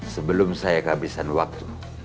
sebelum saya kehabisan waktu